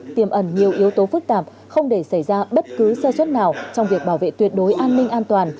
tiềm ẩn nhiều yếu tố phức tạp không để xảy ra bất cứ sơ suất nào trong việc bảo vệ tuyệt đối an ninh an toàn